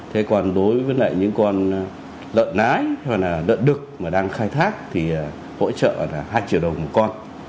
thế còn đối với những con lợn nái hoặc là lợn đực mà đang khai thác thì hỗ trợ là hai triệu đồng một con